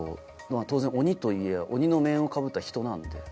当然鬼とはいえ鬼の面をかぶった人なんで。